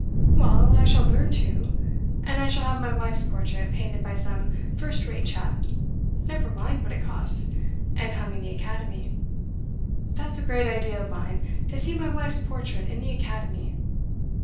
'Well, I shall learn to. And I shall have my wife's portrait painted by some first rate chap, never mind what it costs, and hung in the Academy. That's a great idea of mine to see my wife's portrait in the Academy.